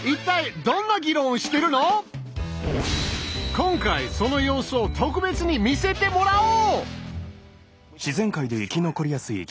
今回その様子を特別に見せてもらおう！